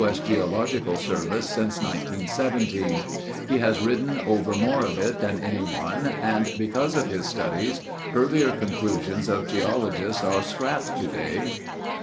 S. Geological Survey since 1917. He has ridden over more of it than anyone and because of his studies, earlier conclusions of geologists are scrapped today.